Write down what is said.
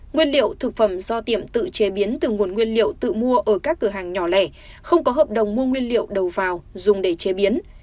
nguyên liệu thực phẩm do tiệm tự chế biến từ nguồn nguyên liệu tự mua ở các cửa hàng nhỏ lẻ không có hợp đồng mua nguyên liệu đầu vào dùng để chế biến